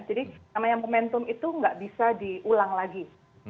jadi namanya momentum itu nggak bisa diulang lagi